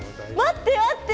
待って待って。